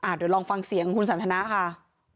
เดี๋ยวลองฟังเสียงคุณสันทนาค่ะ